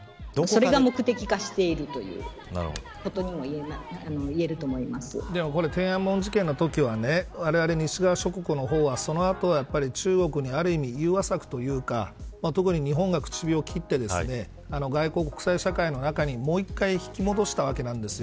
それが目的化しているということにもこれ、天安門事件のときはわれわれ西側諸国の方はそのあと中国にある意味融和策というか特に日本が口火を切って国際社会の中にもう一回引き戻したわけです。